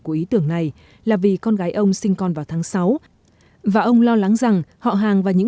của ý tưởng này là vì con gái ông sinh con vào tháng sáu và ông lo lắng rằng họ hàng và những